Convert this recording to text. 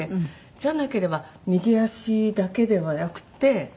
じゃなければ右足だけではなくて額とか。